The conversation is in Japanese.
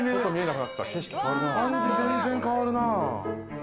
感じ、全然変わるな。